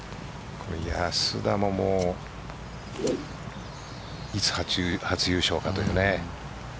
安田もいつ初優勝かというね。